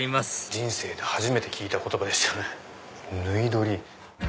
人生で初めて聞いた言葉でしたよ縫い撮り。